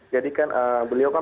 jadi kan beliau kan